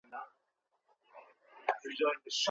آیا افغانستان د وچو مېوو له لاري ښه نوم ګټلی دی؟.